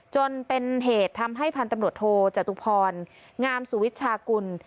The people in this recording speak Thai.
จนเป็นเหตุทำให้พันธุ์ตำรวจโทจตุพรงามสุวิชากุล